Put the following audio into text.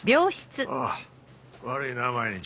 あぁ悪いな毎日。